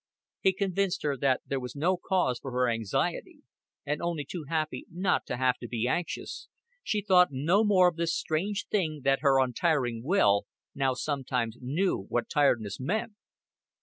He convinced her that there was no cause for her anxiety; and only too happy not to have to be anxious, she thought no more of this strange thing that her untiring Will now sometimes knew what tiredness meant.